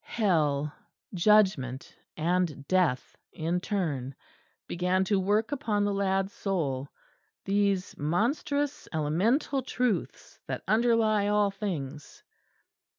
Hell, Judgment and Death in turn began to work upon the lad's soul these monstrous elemental Truths that underlie all things.